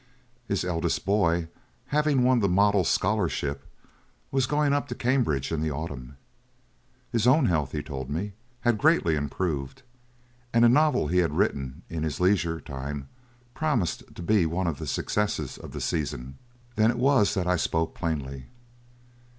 His eldest boy, having won the Mottle Scholarship, was going up to Cambridge in the Autumn. His own health, he told me, had greatly improved; and a novel he had written in his leisure time promised to be one of the successes of the season. Then it was that I spoke plainly.